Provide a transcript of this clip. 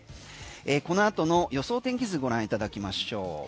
このあとの予想天気図ご覧いただきましょう。